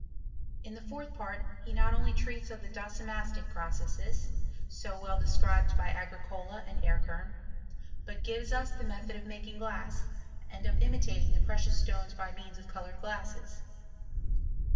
In the fourth part he not only treats of the docimastic processes, so well described by Agricola and Erckern, but gives us the method of making glass, and of imitating the precious stones t)y means of coloured glasses.